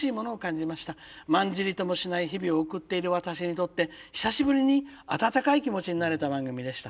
まんじりともしない日々を送っている私にとって久しぶりに温かい気持ちになれた番組でした。